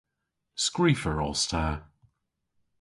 Skrifer os ta.